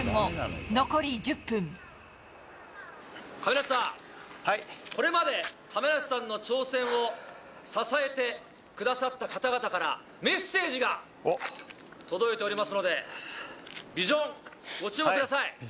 亀梨さん、これまで亀梨さんの挑戦を支えてくださった方々から、メッセージが届いておりますので、ビジョン、ご注目ください。